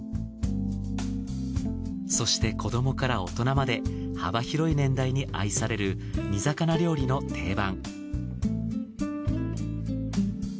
そして子どもから大人まで幅広い年代に愛される煮魚料理の定番。